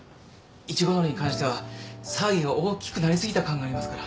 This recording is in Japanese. いちごのりに関しては騒ぎが大きくなり過ぎた感がありますから。